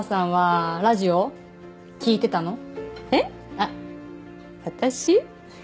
あっ私？